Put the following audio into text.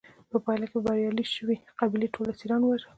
په پایله کې به بریالۍ شوې قبیلې ټول اسیران وژل.